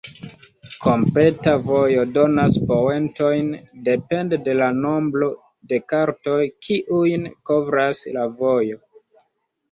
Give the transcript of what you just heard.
Kompleta vojo donas poentojn depende de la nombro de kartoj, kiujn kovras la vojo.